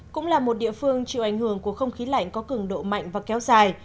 cũng là một địa phương chịu ảnh hưởng của không khí lạnh có cường độ mạnh và kéo dài